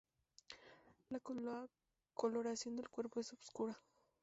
La coloración del cuerpo es oscura.